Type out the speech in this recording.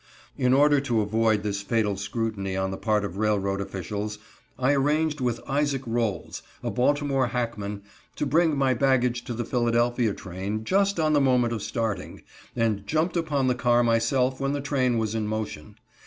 In order to avoid this fatal scrutiny on the part of railroad officials, I arranged with Isaac Rolls, a Baltimore hackman, to bring my baggage to the Philadelphia train just on the moment of starting, and jumped upon the car myself when the train was in motion.